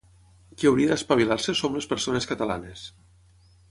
Qui hauria d'espavilar-se som les persones catalanes.